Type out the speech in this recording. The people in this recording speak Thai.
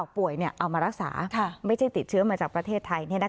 ป่วยเอามารักษาไม่ใช่ติดเชื้อมาจากประเทศไทย